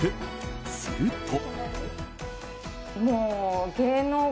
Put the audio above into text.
すると。